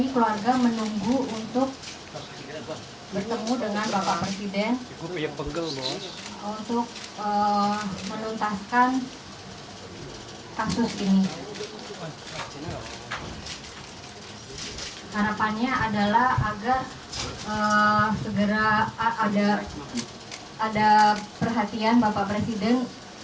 kami keluarga menunggu untuk bertemu dengan bapak presiden